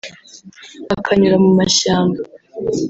akanyura mu mashyamba